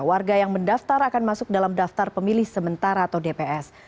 warga yang mendaftar akan masuk dalam daftar pemilih sementara atau dps